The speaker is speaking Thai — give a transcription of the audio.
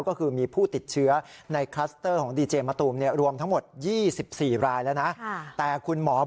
ก็คือมีผู้ติดเชื้อในคลัสเตอร์ของจุดจำเลี่ยงดีเจมส์มะตูม